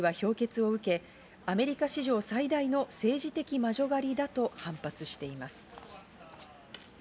トランプ氏は評決を受け、アメリカ史上最大の政治的魔女狩りだと反発しています。